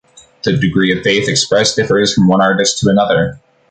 The degree of faith expressed differs from one artist to another.